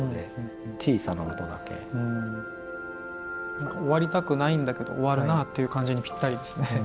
何か終わりたくないんだけど終わるなっていう感じにぴったりですね。